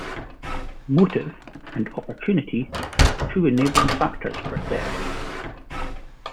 "Motive" and "opportunity" are two enabling factors for theft.